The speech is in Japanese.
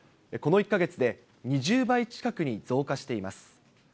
この１か月で２０倍近くに増加しています。